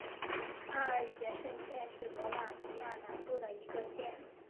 阿尔杰什县是罗马尼亚南部的一个县。